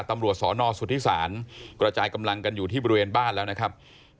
ตำรวจสนสุธิศาลกระจายกำลังกันอยู่ที่บริเวณบ้านแล้วนะครับ